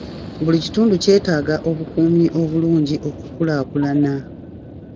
Buli kitundu kyetaaga obukuumi obulungi okukulaakulana.